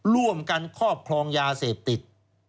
ร่วมกันครอบครองยาเสพติด